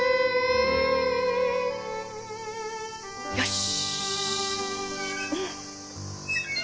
よし。